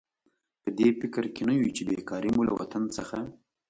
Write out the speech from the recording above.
په دې فکر کې نه یو چې بېکاري مو له وطن څخه.